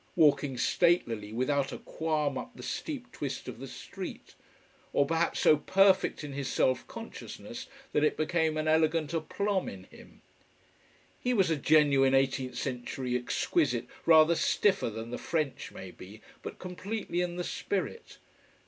Walking statelily, without a qualm up the steep twist of the street. Or perhaps so perfect in his self consciousness that it became an elegant "aplomb" in him. He was a genuine eighteenth century exquisite, rather stiffer than the French, maybe, but completely in the spirit.